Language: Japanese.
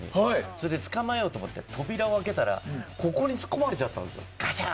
そして捕まえようと思って扉を開けたら突っ込まれちゃったんですよ。